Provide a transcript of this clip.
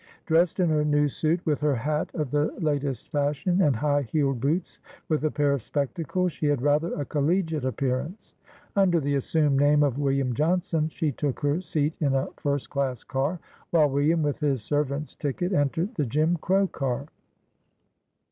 Dressed in her new suit, with her hat of the latest fashion, and high heeled boots, with a pair of spectacles, she had rather a collegiate appearance. Under the assumed name of William Johnson, she took her seat in a first class car, while William, with his servant's ticket, entered the Jim Crovj car.